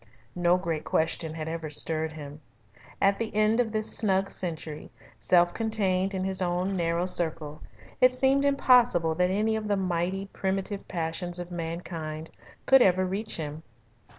No great question had ever stirred him. At the end of this snug century, self contained in his own narrow circle, it seemed impossible that any of the mighty, primitive passions of mankind could ever reach him.